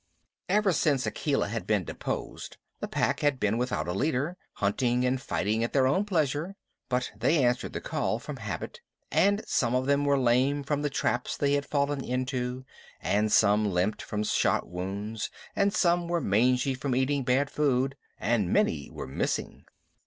Ever since Akela had been deposed, the Pack had been without a leader, hunting and fighting at their own pleasure. But they answered the call from habit; and some of them were lame from the traps they had fallen into, and some limped from shot wounds, and some were mangy from eating bad food, and many were missing.